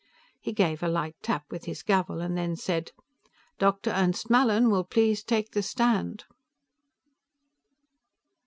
He gave a light tap with his gavel and then said: "Dr. Ernst Mallin will please take the stand."